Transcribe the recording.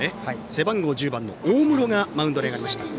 背番号１０番の大室がマウンドに上がりました。